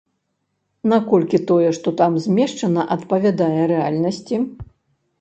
Наколькі тое, што там змешчана, адпавядае рэальнасці?